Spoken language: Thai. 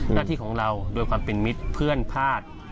หน้าที่ของเราโดยความเป็นมิตรเพื่อนพลาด